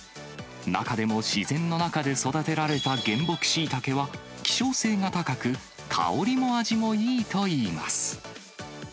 中でも自然の中で育てられた原木シイタケは、希少性が高く、香りも味もいいといいます。